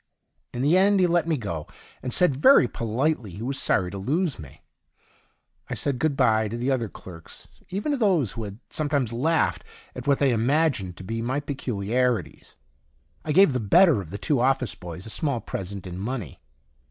In the end he let me go, and said very politely he was sorry to lose me. I said good bye to the other clerks, even to those'who had some times laughed at what they imagined to be my peculiarities. I gave the better of the two office boys a small present in money.